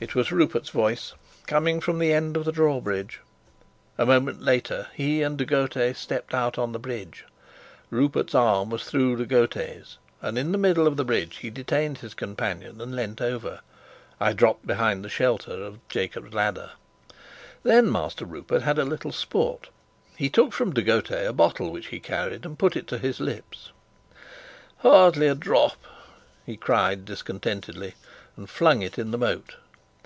It was Rupert's voice, coming from the end of the drawbridge. A moment later he and De Gautet stepped out on the bridge. Rupert's arm was through De Gautet's, and in the middle of the bridge he detained his companion and leant over. I dropped behind the shelter of "Jacob's Ladder." Then Master Rupert had a little sport. He took from De Gautet a bottle which he carried, and put it to his lips. "Hardly a drop!" he cried discontentedly, and flung it in the moat.